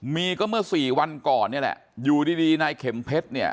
มีก็เมื่อสี่วันก่อนนี่แหละอยู่ดีดีนายเข็มเพชรเนี่ย